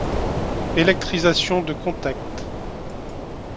Electrisation de contact.